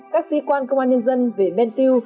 các sĩ quan công an nhân dân về men tiêu